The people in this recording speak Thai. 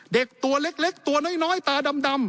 เด็กตัวเล็กตัวน้อยตาดำ